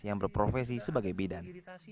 yang berprofesi sebagai bidan